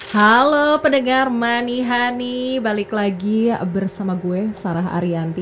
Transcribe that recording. halo pendengar money honey balik lagi bersama gue sarah ariyanti